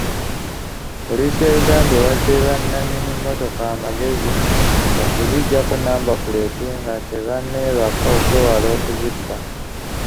Poliisi ya Uganda ewadde bannanyini mmotoka amagezi okuzijjako namba puleti nga tebanneebaka okwewala okuzibba.